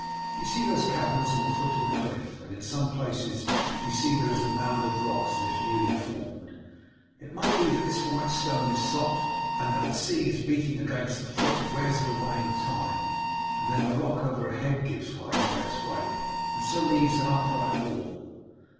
Do you see those caverns at the foot of the cliff, and in some places you see there is a mound of rocks as if newly formed? It may be that this white stone is soft, and that the sea beating against the foot wears it away in time, and then the rock overhead gives way by its weight and so leaves an upright wall.